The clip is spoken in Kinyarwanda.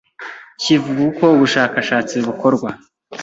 ” kivuga uko ubushakashatsi bukorwa